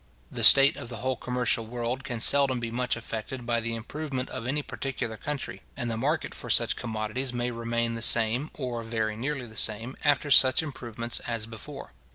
The state of the whole commercial world can seldom be much affected by the improvement of any particular country; and the market for such commodities may remain the same, or very nearly the same, after such improvements, as before.